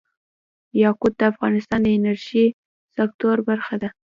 یاقوت د افغانستان د انرژۍ سکتور برخه ده.